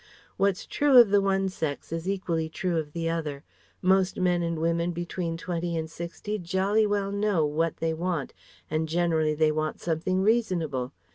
What's true of the one sex is equally true of the other. Most men and women between twenty and sixty jolly well know what they want, and generally they want something reasonable.